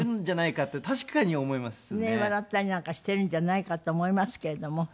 笑ったりなんかしているんじゃないかと思いますけれども。